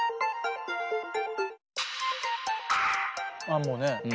ああもうね。